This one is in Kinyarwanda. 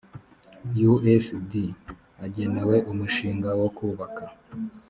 usd agenewe umushinga wo kubaka